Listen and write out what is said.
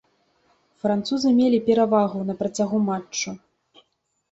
Французы мелі перавагу на працягу матчу.